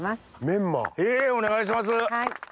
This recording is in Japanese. へぇお願いします。